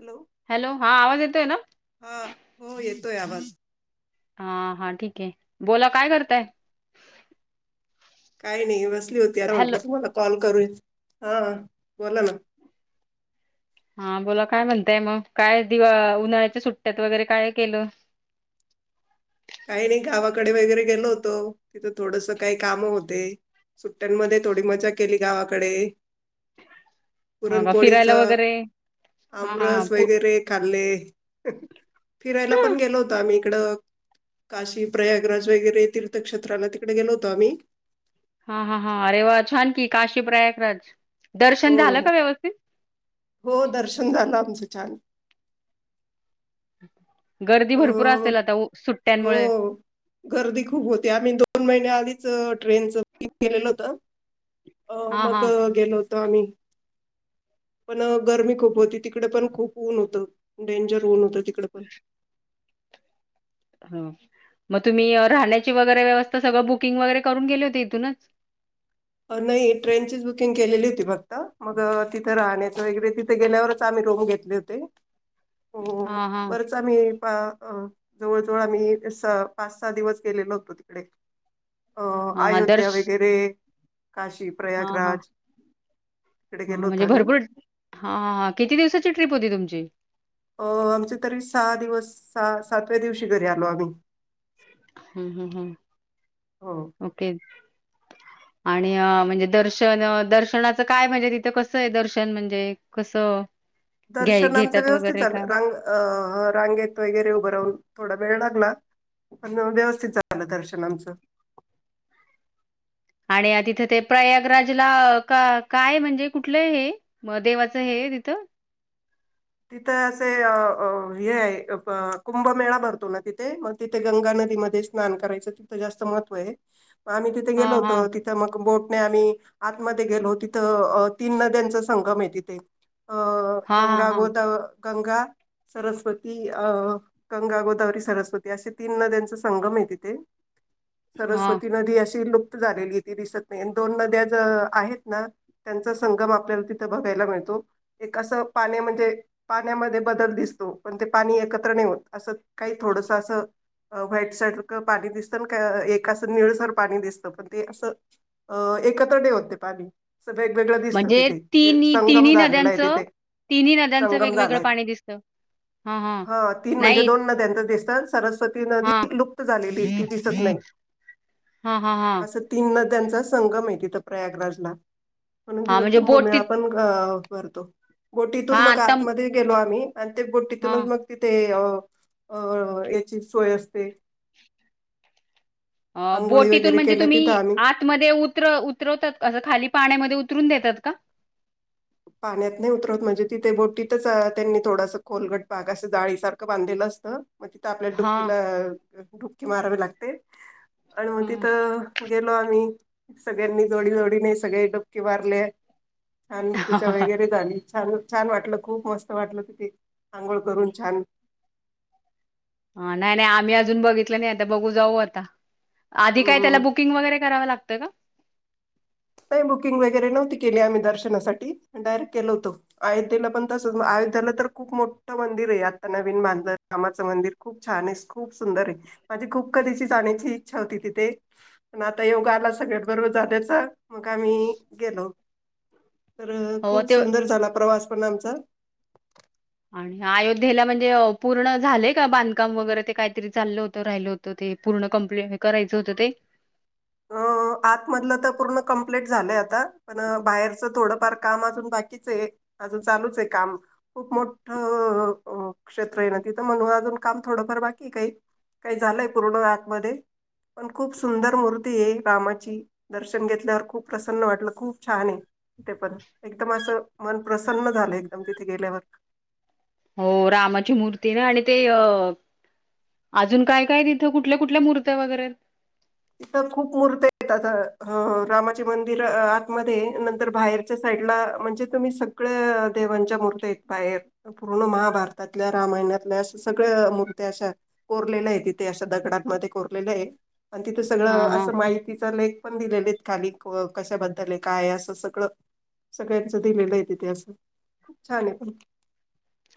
Hello hello हा आवाज येतोय ना? तोय आवाज [inaudible] हा हा ठीक आहे बोला काय करताय? काही नाही बसली होती अर हॅलो. म्हटलं तुम्हाला कॉल करू. हा बोला ना. हां बोला काय म्हणताय मग? काय दि उन्हाळ्याच्या सुट्ट्यात वगैरे काय केलं? [inaudible] काही नाही गावाकडे वगैरे गेलो होतो. तिथं थोडस काही काम होते. सुट्ट्यांमध्ये थोडी मजा केली गावाकडे. ह का पुरणपोळीच फिरायला वगैरे हा हा हा आमरस पू वगैरे खाल्ले. फिरायला पण गेलो होतो आम्ही. तिकडं काशी प्रयागराज वगैरे तीर्थक्षेत्राला तिकडे गेलो होतो आम्ही. हा. हा. हा. अरे वा छान की. काशी प्रयागराज. हो. दर्शन हो. झालं का व्यवस्थित हो दर्शन झालं आमचं छान. हम् [unintelligible] गर्दी भरपूर अ असेल आता उ. सुट्यांनमुळे? हो. हीच अ. ट्रेनचं बूकिंग केलेल होत अ. हा मग हा गेलो होतो. आम्ही. पण गरमी खूप होती. तिकडे पण खूप ऊन होतं. डेंजर ऊन होतं. तिकड पण. हा. मग तुम्ही अ. राहण्याची वगैरे व्यवस्था. सगळं बुकिंग वगैरे करून गेले होते इथूनच? नाही ट्रेनचीच बुकिंग केलेली होती फक्त. मग अं. तिथं राहण्याच वगैरे तिथं गेल्यावरच आम्ही रूम घेतले होते. हा हा वरचं आम्ही आ अं.. जवळ-जवळ आम्ही. सहा- पाच-सहा दिवस गेलेलो होतो तिकडे. अ. हा हा अयोध्या दर्श वगैरे काशी प्रयागराज तिकडे गेलो हं.. होतो म्हणजे आम्ही. भरपूर हा. हा किती दिवसाची ट्रिप होती तुमची? अं. आमची तरी सहा दिवस. सहा-सातव्या दिवशी घरी आलो आम्ही. हम्म. हम्म. हम्. हो ओके आणि अ. म्हणजे दर्शन दर्शनाचं काय म्हणजे तिथं कसं आहे दर्शन म्हणजे कसं? घ्याय दर्शन आमचं घेतात व्यवस्थित वगैरे झालं काय? रांग अ.. रांगेत वगैरे उभं राहून थोडा वेळ लागला. पण व्यवस्थित झाल दर्शन आमचं. आणि तिथं ते प्रयागराजला का-काय म्हणजे. कुठलं हे म देवाचं हे? हे तिथं तिथ असे अ हे हाय अप कुंभमेळा भरतो ना तिथे, मग तिथे गंगा न दी मध्ये च स्नान करायचं तिथं जास्त महत्व आहे, हे आम्ही तिथे गेलो हां, हां. होतो तिथं मग बो ने आम्ही आतमध्ये गेलो तिथं अ अ तीन नद्यांचा संगम आहे तिथे. अ हां, हां, गंगा हां. गोत गंगा, सरस्वती अ गंगा, गोदावरी, सरस्वती असे तीन नद्यांचा संगम गम हाय तिथे, हां. सरस्वती नदी अशी लु प्त झालेलीय ती दिसत नाही आणि दोन नद्या ज आहेत ना, त्यांचा संगम आपल्याला तिथं बघायला मिळतो. एक असं पाण्या म्हणजे पाण्यामध्ये बदल दिसतो, पण ते पाणी एकत्र नाही होत, असं काही थोडसं असं अ व्हाइट सारखं पाणी दिसतं अन् क अ एक असं निळसर पाणी दिसतं, पण ते असं अ एकत्र नाही होत ते पाणी. स वेगवेगळं दिसतं म्हणजे तिथे, य तिन्ही संगम तिन्ही झालेला आहे नद्यांचं तिथे. तिन्ही नद्यांचं गम वेगवेगळं झालाय, पाणी दिसतं. हां, हां. हा तीन म्हणजे नाही. दोन नद्यांचे दिसतं अन सरस वती हां. नदी लुप्त झालेली ती दिसत नाही, हां, हां, हां. असं तीन नद द्यांचा संगम आहे तिथं प्रयागराजला, म्हणून हां, तिथ म्हणजे बोट ति कुंभमेळा पण ग भरतो, बोटीतून हां, मग आता आतमध्ये गेलो आम्ही आणि ते हां. बोटीतूनच मग तिथे अ अ याची सोय असते अ आंघोळी बोटीतून वगैरे म्हणजे केल्या तिथं तुम्ही आम्ही आतमध्ये उतरव उतरवतात असं खाली पाण्यामध्ये उत तरून देतात का? पाण्यात नाही उतरवत, म्हणजे तिथे बोटीतच अ त्यांनी थोडसं खोलगट भाग असं जाळीसारखं बांधलेलं असतं. मग तिथं आपल्याला हां. डुबकीला अ डुबकी मारावी लागते, आणि मग हं. तिथं गेलो आम्ही, सगळ्यांनी जोडी जोडीने सगळे डपके मारले छान पूजा वगैरे झाली? छान-छान वाटलं. खूप मस्त वाटलं तिथे. अंघोळ करून छान. हा नाही-नाही आम्ही अजून बघितलं नाही. आता बघू जाऊ आता. आधी काय त्याला हम्म बुकिंग वगैरे करावं लागतं का? नाही बुकिंग वगैरे नव्हती केली आम्ही दर्शनासाठी. डायरेक्ट केल होतो. अयोध्याला पण तसंच. झालं तर खूप मोठं मंदिर आहे. आता नवीन बांधलं रामाचं मंदिर खूप छान आहे. खूप सुंदर आहे. माझी खूप कधीची जाण्याची इच्छा होती तिथे. पण आता योग आला सगळ्यान बरोबर जाण्याचा मग आम्ही गेलो, तर हो खूप ते सुंदर झाला प्रवास पण आमचा. स [unintelligible] आणि अयोध्येला म्हणजे अं पूर्ण झालेय का बांधकाम वगैरे ते काहीतरी चाललं होतं, राहिल होतं, ते. पूर्ण कंप्लीट करायच होतं ते.? [unintelligible] आतमधलं तर पूर्ण कंप्लीट झालंय पण बाहेरच थोडंफार काम अजून बाकीच आय, अजून चालूच आहे काम, खूप मोठ. अअअ, क्षेत्र आहे ना तिथं म्हणून अजून काम थोडंफार बाकीय काही. काही झालंय पूर्ण आतमध्ये, पण खूप सुंदर मूर्ती रामाची दर्शन घेतल्यावर खूप प्रसन्न वाटलं, खूप छानये ते पण एकदम अस. मन प्रसन्न झालं एकदम तिथे गेल्यावर. हो रामाची मूर्ती ना आणि ते अ. अजून काय-काय य तिथं कुठल्या कुठल्या मूर्त्या वगैरे. तिथं खूप मूर्त आहेत आता रामाचे मंदिर आतमध्ये य नंतर बाहेरच्या सा लं म्हणजे तुम्ही सगळ देांवांच्या मूर्त्या आयत मायेर पूर्ण महाभारतातल्या रा सगळ मूर्त्या अशा कोरलेल्या आहेत तिथे अशा दगडांमध्ये कोरलेल्या आहे आणि तिथं हां, सगळं हां. असं माहितीचं लेक पण दिलेले आहेत खाली कशाबद्दल आहे काय असं सगळं. सगळ्यांच दिलेलं आहे तिथे असं खूप छान आहे पण.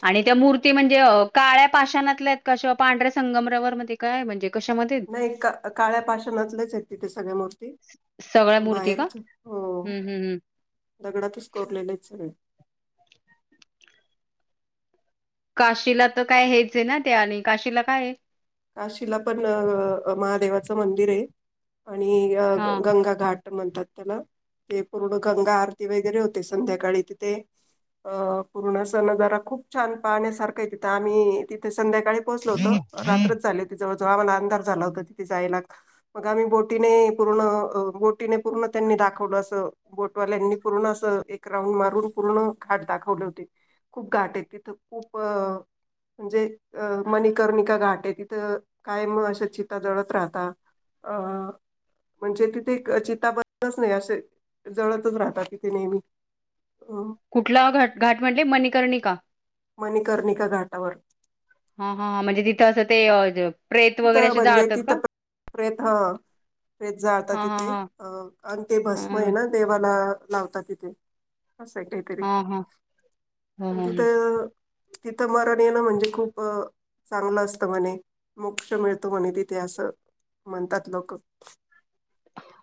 आणि त्या मूर्ती म्हणजे काळ्या पाषाणातल्या आहेत का शिवा पांढर्या संगमरावर मध्ये काय म्हणजे? कशामध्ये नाही का काळ्या पाशणातलेच आहेत तिथे सगळ्या मूर्ती सगळ्या मूर्ती का? बाहेरच हो हं, हं, हं. दगडातच कोरलेले आहेत सगळे. काशीला तर काय हेच आहे ना त्या आणि काशीला काय? काशीला पण महादेवाचं मंदिर आहे आणि हां. गंगा घाट म्हणतात त्याला ते पूर्ण गंगा आरती वगैरे होते संध्याकाळी तिथे. अ पूर्ण स न जरा खूप छान पाण्यासारखं आहे तिथं आम्ही तिथे संध्या सकाळी पोचलो होतो रात्र जवळ जवळ आम्हाला अंधार झाला होता तिथे जायला मग आम्ही बोटीने पूर्ण बोटीने पूर्ण त्यांनी दाखवलं अस बोटवाल्यांनी पूर्ण अस एक रांऊड मारून पूर्ण घाट दाखवले होते खूप घाट आहे तिथं खूप म्हणजे मणिकर्णिका घाट आहे तिथ तर काय मग अं चितता जळत राहतात अ म्हणजे तिथे एक चिता बसच नाही असे जळतच राहत तिथे नेहमी अ कुठला घट घाट म्हटले मणिकर्णी का? मणिकर्णिका घाटावर हा हा म्हणजे तिथं असं ते अ प्रेत तिथ वगैरे असे म्हणजे जाळतात तिथेत का? हा प्रेतं प्रेत जाळता हां, हां, तिथे हां. अ आणि ते भस्म आहे हं. ना देवाला लावतात तिथे असं काहीतरी हां, हां. हं, आणि हं, हं. तिथं तिथं मरण ये नं म्हणजे खूप चांगलं असतं म्हणे. मोक्ष मिळतो म्हणे तिथे असं म्हणतात लोकं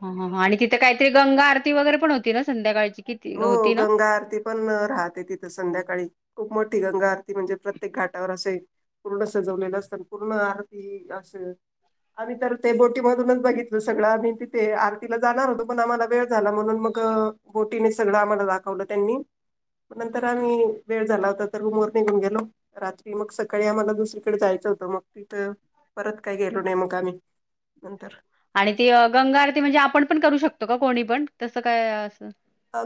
हहह आणि तिथे काहीतरी गंगा आरती वगैरे पण होती ना संध्याकाळ हो गंगा आरती पण राहते तिथं संध्याकाळी. खूप मोठी गंगा आरती म्हणजे प्रत्येक घाटावर असे पूर्ण सजवलेलं असत पूर्ण आरती असं आमी तर ते बोटीमधूनच बघितलं सगळं आणि तिथे आरतीला जाणार होतो पण आम्हाला वेळ झाला म्हणून मग मगं बोटीने सगळं आम्हाला दाखवलं त्यांनी मग नंतर आम्ही वेळ झाला होता तर रूम वर निघून गेलो रात्री मग सकाळी आम्हाला दुसरीकडे जाय होत मग तिथं परत काय गेलो नाही मग आम्ही नंतर आणि ती अं गंगा आरती म्हणजे आपण पण करू शकतो का कोणी पण तसं काय असं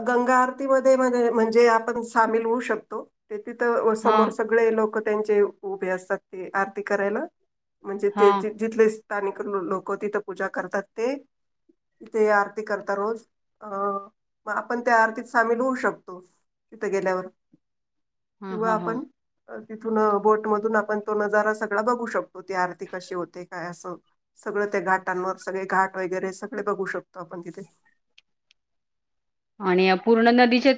गंगा आरतीमध्ये म्हणजे आपण सामील होऊ शकतो. तेथिथ समोर हां, सगळे लोक त्यांचे उभे असतात ते आरती करायला म्हणजे ते हां. जिथले स्थानिक लोक तिथं पूजा करतात ते त तेे आरती करता रोज अं मग आपण त्या आरतीत सामील होऊ शकतो तिथं गेल्यावर हा किंवा हा हा. आपण तिथून बोटमधून आपण तो नजारा सगळा बघू शकतो ती आरती कशी होते काय असं सगळं त्या घाटांवर सगळे घाट वगैरे सगळे बघू शकतो आपण तिथे आणि पूर्ण नदीच्या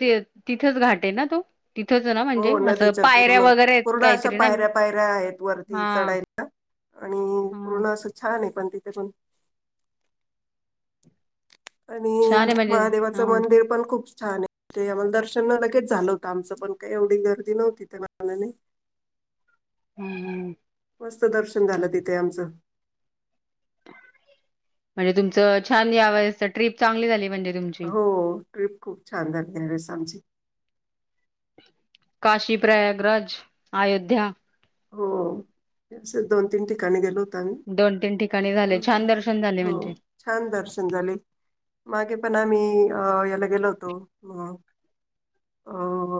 तिथेच घाट आहे ना तो तिथंच ना म्हणजे हो असं नदीच्या पायऱ्या पूर्ण वगैरे आहेत पूर्ण अशा काहीतरी ना पायऱ्या पायऱ्या आहेत वरती हा चढायच्या आणि हा. पूर्ण अस छान आहे पण तिथून आणि छान आहे म्हणजे हा महादेवाचं हा मंदिर पण खूप छान आहे ते आम्हाला दर्शन लगेच झालं होतं आमचं पण काही एवढी गर्दी नव्हती त्या मानाने हा. मस्त दर्शन झालं तिथे आमचं म्हणजे तुमचं छान या वेळेस ट्रिप चांगली झाली म्हणजे तुमची हो ट्रिप खूप छान झाली रे या वेळेस आमची. काशी, प्रयागराज, अयोध्या. हो असे दोन तीन ठिकाणी गेलोत. दोन तीन ठिकाणी अ झाले छान दर्शन झाले हो म्हणजे छान दर्शन झाले मागे पण आम्ही याला गेल होतो अं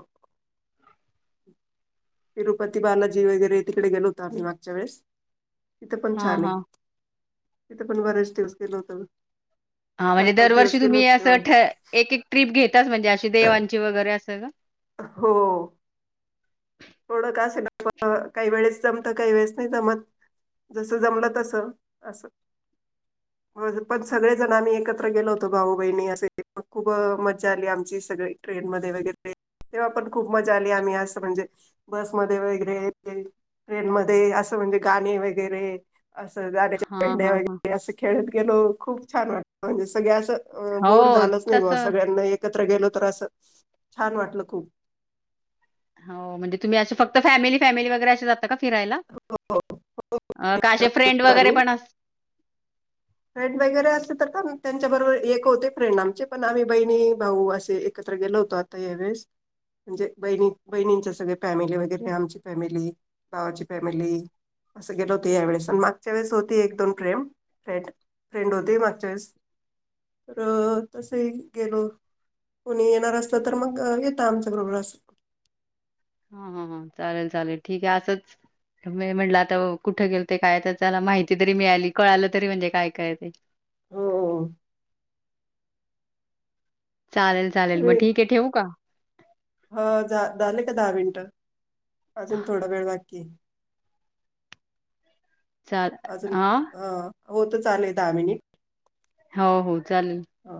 तिरुपती बालाजी वगैरे तिकडे गेलो होतो आम्ही मागच्या वेळेस. तिथं पण हा छान हा. आहे तिथं पण बरेच दिवस गेलो होतो. हा चार म्हणजे पाच दिवस दरवर्षी गेलो तुम्ही होतो असं तेव्हा एक एक ट्रिप घेता म्हणजे. देवांची वगैरे असं हो थोडं का असे काही वेळेस जमत काही वेळेस नाही जमत. जसं जमलं तस असं हो पण सगळे जण मी एकत्र गेलो होतो भाऊ, बहिणी असे खूप मज्जा आली आमची सगळी ट्रेन मध्ये वगैरे. तेव्हा पण खूप मजा आली आम्ही असं म्हणजे बसमध्ये वगैरे ट्रेनमध्ये असं म्हणजे गाणी वगैरे असं गाण्याच्या हा भेंड्या हा हा वगैरे असं खेळत गेलो खूप छान वाटत म्हणजे सगळ्या असं. अ बोर हो झालंच नाही बा तसं सगळ्यांना एक एकत्र गेलो तर असं छान वाटलं खूप. हो म्हणजे तुम्ही असं फक्त फॅमिली फॅमिली वगैरे अशे जाता. फिरायला हो, हो, हो. का अशें फ्रेंड वगैरे आम्ही पण फ्रेंड वगैरे असते तर का त्यांच्याबरोबर एक होते फ्रेंड आमचे पण आम्ही बहिणी भाऊ असे एकच. गेलो होतो आता यावेेळेस. म्हणजे बहिणी बहिणींच्या सगळ फॅमिली वगैरे आमची फॅमिली भावाची फॅमिली. असं गेलं होतं यावेेळेस आणि मागच्या वेळेस होती एक दोन प फ्रेंड. फ्रेंड होते मागच्या वेळेस तर तसे गेलो. कुणी येणार असत तर मग येतं आमच बरोबर असं. हा हा हा चालेल चालेल ठीक आहे असंच. म्हटलं आता कुठं गेलो काय त्याला माहिती तरी मिळाली कळालं तरी म्हणजे काय काय ते. हो चालेल चालेल मग ठीक आहे ठेवू का? हो झाले का दहा मिनिट? अजून थोडा वेळ बाकी आहे. [inaudible] चालतंय आ होतच आले दहा मिनिट. हो हो चालेल. हो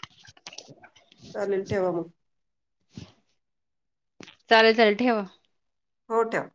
[inaudible] चालेल ठेवा मग. चालेल चालेल ठेवा. हो ठेवा.